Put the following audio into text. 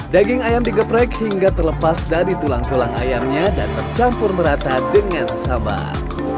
daging ayam digeprek hingga terlepas dari tulang tulang ayamnya dan tercampur merata dengan sabar